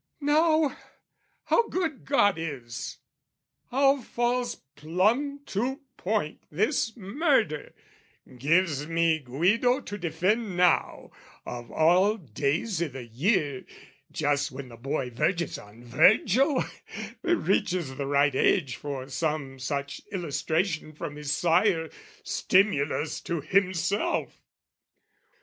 Now, how good God is! How falls plumb to point This murder, gives me Guido to defend Now, of all days i' the year, just when the boy Verges on Virgil, reaches the right age For some such illustration from his sire, Stimulus to himself!